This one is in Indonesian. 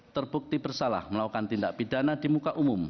terbukti bersalah melakukan tindak pidana di muka umum